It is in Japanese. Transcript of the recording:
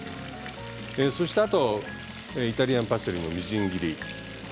そしてあとイタリアンパセリのみじん切り。